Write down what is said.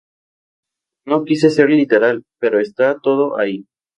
No quise ser literal, pero está todo ahí.